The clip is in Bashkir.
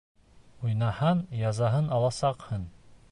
Уйнаһаң, язаһын аласаҡһың!